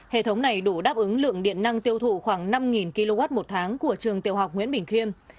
hệ thống này đủ đáp ứng lượng điện năng tiêu thụ khoảng năm kw một tháng của trường tiểu học nguyễn bình khiêm